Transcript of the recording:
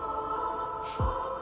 フッ。